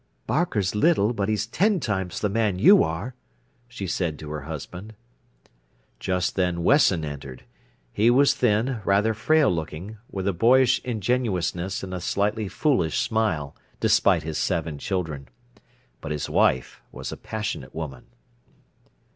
"Barker's little, but he's ten times the man you are," she said to her husband. Just then Wesson entered. He was thin, rather frail looking, with a boyish ingenuousness and a slightly foolish smile, despite his seven children. But his wife was a passionate woman.